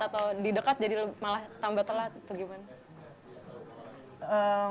atau di dekat jadi malah tambah telat atau gimana